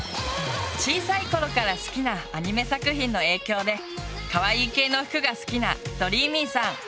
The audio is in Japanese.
小さい頃から好きなアニメ作品の影響でかわいい系の服が好きなどりーみぃさん。